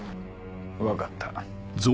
分かった。